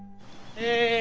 え